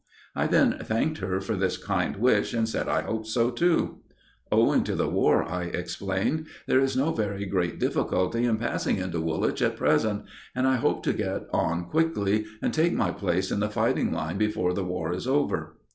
I then thanked her for this kind wish, and said I hoped so, too. "Owing to the War," I explained, "there is no very great difficulty in passing into Woolwich at present, and I hope to get on quickly, and take my place in the fighting line before the War is over."